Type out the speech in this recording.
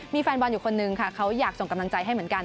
มีแฟนบอลอยู่คนนึงค่ะเขาอยากส่งกำลังใจให้เหมือนกัน